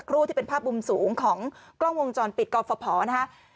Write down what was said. ครูที่เป็นภาพมุมสูงของกล้องวงจรปิดกรฟภนะฮะ